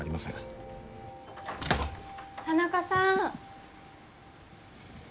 田中さん。